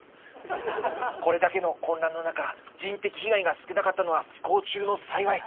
これだけの混乱の中人的被害が少なかったのは不幸中の幸い。